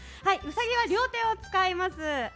うさぎは両手を使います。